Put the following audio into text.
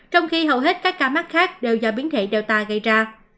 trong khi hầu hết các ca mắc khác đều do biến thể data gây ra